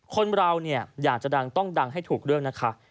คนเราเนี่ยอยากจะดังต้องดังให้ถูกเรื่องนะคะ